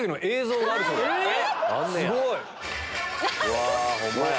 うわホンマや。